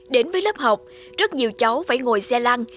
đến với lớp học rất nhiều cháu phải ngồi xe lăng